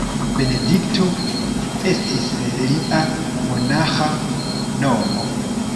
Benedikto estis lia monaĥa nomo.